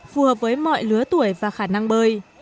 phù hợp với mọi lứa tuổi và khả năng bơi